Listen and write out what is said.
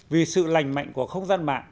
vì sự lành mạnh của không gian mạng